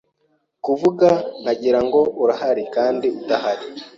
kuvuga nkagirango arahari kandi adahari